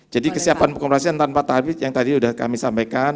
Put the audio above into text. jadi kesiapan pengoperasian tanpa tabib yang tadi sudah kami sampaikan